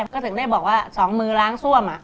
ก็ถึงได้บอกว่า๒มือล้างซ่วม